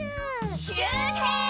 しゅうてん！